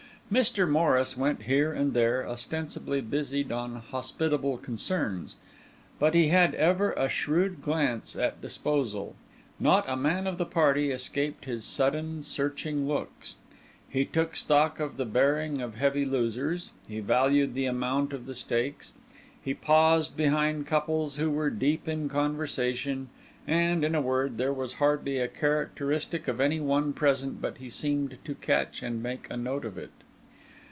Mr. Morris went here and there, ostensibly busied on hospitable concerns; but he had ever a shrewd glance at disposal; not a man of the party escaped his sudden, searching looks; he took stock of the bearing of heavy losers, he valued the amount of the stakes, he paused behind couples who were deep in conversation; and, in a word, there was hardly a characteristic of any one present but he seemed to catch and make a note of it.